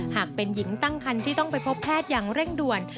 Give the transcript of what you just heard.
หากเป็นหญิงตั้งคันที่ต้องไปพบแพทย์อย่างเร่งด่วน